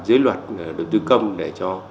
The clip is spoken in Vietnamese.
dưới luật đầu tư công để cho